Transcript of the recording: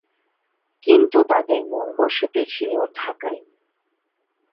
কিন্তু তাদের মূল বসতি ছিল ঢাকায়।